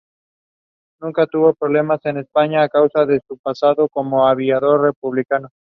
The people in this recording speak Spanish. Nunca tuvo problemas en España a causa de su pasado como aviador republicano.